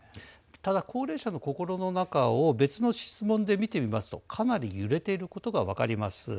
ただ、高齢者の心の中を別の質問で見てみますとかなり揺れていることが分かります。